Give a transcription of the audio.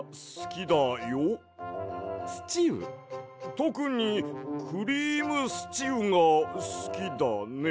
とくにクリームスチウがすきだね。